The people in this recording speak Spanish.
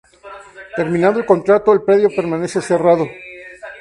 Terminado el contrato el predio permanece cerrado.